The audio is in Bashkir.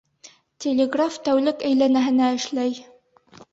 Телеграф тәүлек әйләнәһенә эшләй.